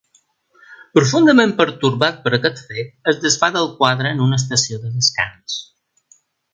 Profundament pertorbat per aquest fet, es desfà del quadre en una estació de descans.